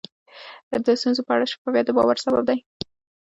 د ستونزو په اړه شفافیت د باور سبب دی.